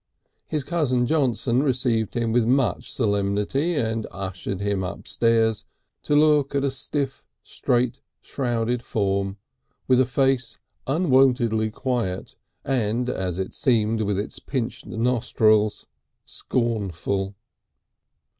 His cousin Johnson received him with much solemnity and ushered him upstairs, to look at a stiff, straight, shrouded form, with a face unwontedly quiet and, as it seemed, with its pinched nostrils, scornful.